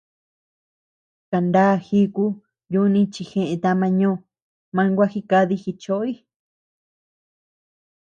Kaná jíku yuni chi jeʼë tama ñó, man gua jidadi jichoʼoy.